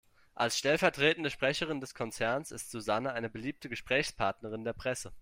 Als stellvertretende Sprecherin des Konzerns ist Susanne eine beliebte Gesprächspartnerin der Presse.